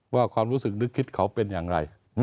ความรู้สึกนึกคิดเขาเป็นอย่างไร